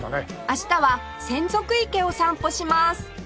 明日は洗足池を散歩します